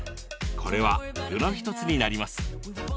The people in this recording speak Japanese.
これは具の１つになります。